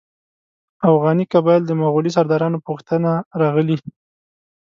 اوغاني قبایل د مغولي سردارانو په غوښتنه راغلي.